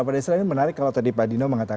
pak desra ini menarik kalau tadi pak dino mengatakan